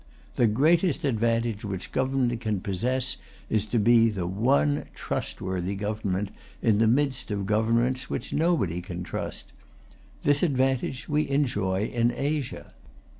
The greatest advantage which government can possess is to be the one trustworthy government in the midst of governments which nobody can trust. This advantage we enjoy in Asia.